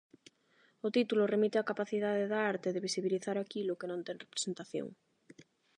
O título remite á capacidade da arte de visibilizar aquilo que non ten representación.